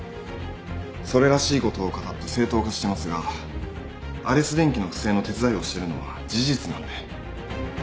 それらしいことを語って正当化してますがアレス電機の不正の手伝いをしてるのは事実なんで。